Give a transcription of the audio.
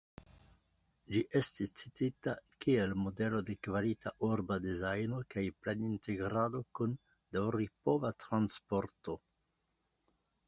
Ĝi estis citita kiel modelo de kvalita urba dezajno kaj planintegrado kun daŭripova transporto.